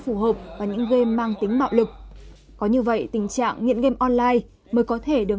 phù hợp vào những game mang tính bạo lực có như vậy tình trạng nghiện game online mới có thể được